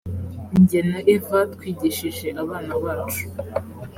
jye na eva twigishije abana bacu